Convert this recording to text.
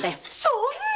そんなあ！